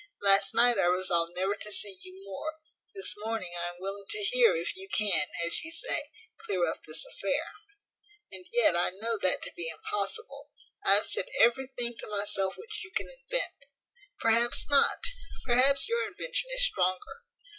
Last night I resolved never to see you more; this morning I am willing to hear if you can, as you say, clear up this affair. And yet I know that to be impossible. I have said everything to myself which you can invent. Perhaps not. Perhaps your invention is stronger.